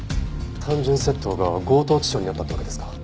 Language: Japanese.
単純窃盗が強盗致傷になったってわけですか。